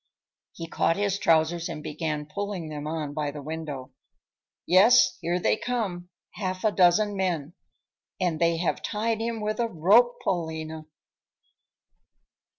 He caught his trousers and began pulling them on by the window. "Yes, here they come, half a dozen men. And they have tied him with a rope, Paulina!"